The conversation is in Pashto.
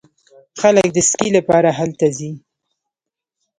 خلک د سکي لپاره هلته ځي.